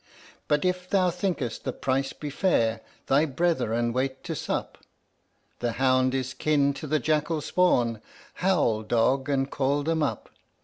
"But if thou thinkest the price be fair, thy brethren wait to sup, The hound is kin to the jackal spawn, howl, dog, and call them up!